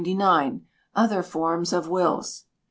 Other Forms of Wills.